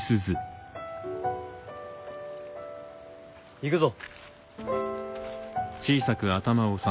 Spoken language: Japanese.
行くぞ。